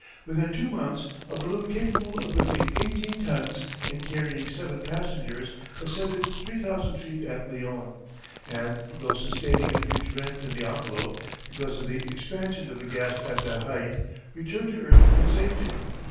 Within two months a balloon capable of lifting eighteen tons and carrying seven passengers ascended three thousand feet at Lyons, and, though sustaining a huge rent in the envelope, because of the expansion of the gas at that height, returned to earth in safety.